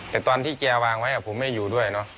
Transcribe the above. แต่ตอนที่แกวางไว้ผมไม่ได้อยู่ด้วยเนอะ